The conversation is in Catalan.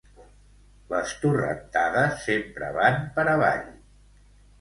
Les torrentades sempre van per avall.